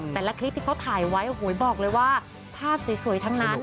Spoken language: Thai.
แต่ละคลิปที่เขาถ่ายไว้โอ้โหบอกเลยว่าภาพสวยทั้งนั้น